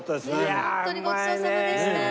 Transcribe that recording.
いや本当にごちそうさまでした。